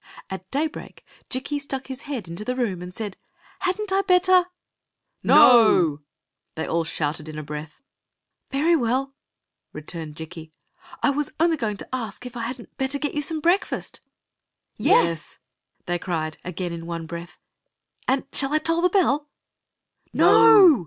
At daybreak Jikki stuck his head into the room and said: Had n 1 1 better—" •* No !they all shouted in a breath. "Very well," returned Jikki ;" I was only going to ask if I had n't better get you some breakfast." " Yes !' they cried, again in one breath. "And shall I toll the bell ?" "No!